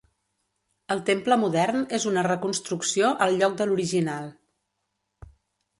El temple modern és una reconstrucció al lloc de l'original.